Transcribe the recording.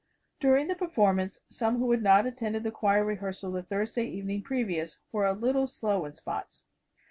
During the performance, some who had not attended the choir rehearsal the Thursday evening previous were a little slow in spots.